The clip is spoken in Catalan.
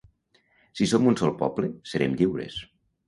Si som un sol poble, serem lliures.